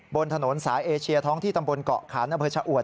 บนถนนสายเอเชียท้องที่ตำบลเกาะขันอำเภอชะอวด